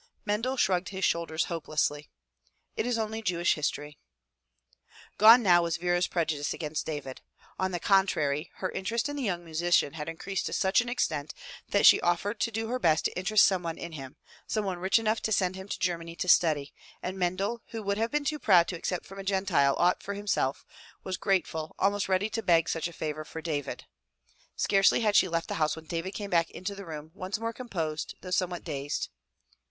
Mendel shrugged his shoulders hopelessly. " It is only Jewish history." Gone now was Vera's prejudice against David. On the con trary, her interest in the young musician had increased to such an extent that she offered to do her best to interest someone in him, someone rich enough to send him to Germany to study, and Mendel who would have been too proud to accept from a Gentile aught for himself, was grateful, almost ready to beg such a favor for David. Scarcely had she left the house when David came back into the room, once more composed, though somewhat dazed.